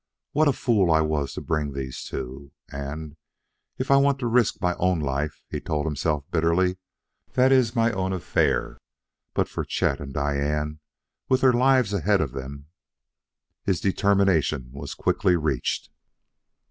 What a fool I was to bring these two!" And: "If I want to risk my own life," he told himself bitterly, "that's my own affair. But for Chet, and Diane, with their lives ahead of them " His determination was quickly reached.